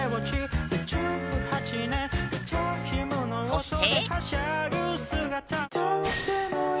そして。